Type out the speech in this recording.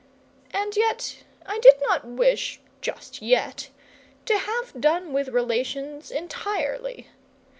And yet I did not wish just yet to have done with relations entirely.